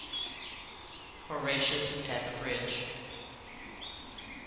HORATIUS AT THE BRIDGE.